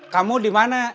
kamu di mana